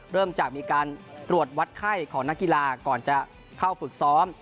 เริ่มจากมีการตรวจวัดไข้ของนักกีฬาก่อนจะเข้าฝึกซ้อม